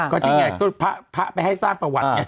ก็จริงไงก็พระไปให้สร้างประวัติไง